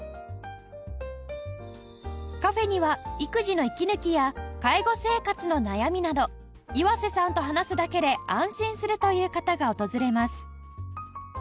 カフェには育児の息抜きや介護生活の悩みなど岩瀬さんと話すだけで安心するという方が訪れます